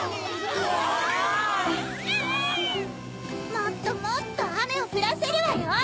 もっともっとアメをふらせるわよ！